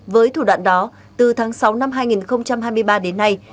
với thủ đoạn đó từ tháng sáu năm hai nghìn hai mươi ba đến nay